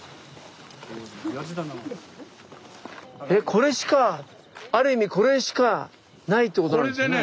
これしかある意味これしかないってことなんですね？